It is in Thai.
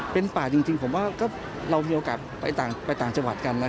เป็นป่าจริงผมว่าเรามีโอกาสไปต่างจังหวัดกัน